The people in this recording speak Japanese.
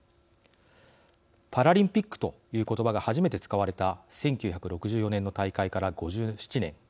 パラリンピックということばが初めて使われた１９６４年の大会から５７年。